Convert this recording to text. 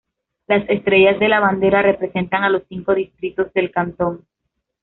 Las estrellas de la bandera representan a los cinco distritos del cantón.